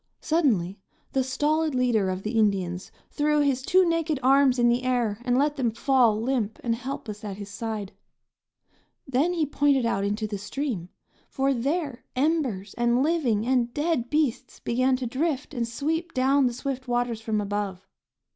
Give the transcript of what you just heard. Suddenly the stolid leader of the Indians threw his two naked arms in the air and let them fall, limp and helpless at his side; then he pointed out into the stream, for there embers and living and dead beasts began to drift and sweep down the swift waters from above.